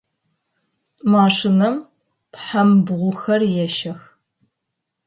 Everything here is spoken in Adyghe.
Машинэм пхъэмбгъухэр ещэх.